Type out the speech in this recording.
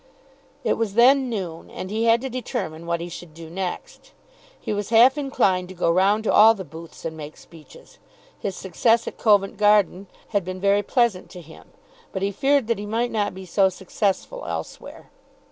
It was then noon, and he had to determine what he should do next. He was half inclined to go round to all the booths and make speeches. His success at Covent Garden had been very pleasant to him. But he feared that he might not be so successful elsewhere.